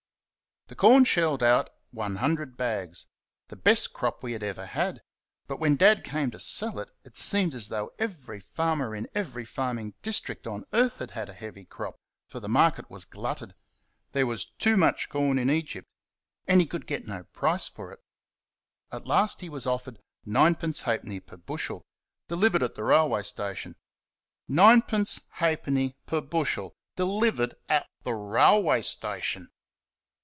The corn shelled out 100 bags the best crop we had ever had; but when Dad came to sell it seemed as though every farmer in every farming district on earth had had a heavy crop, for the market was glutted there was too much corn in Egypt and he could get no price for it. At last he was offered Ninepence ha'penny per bushel, delivered at the railway station. Ninepence ha'penny per bushel, delivered at the railway station!